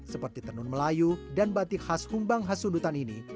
seperti tenun melayu dan batik khas humbang khas sundutan ini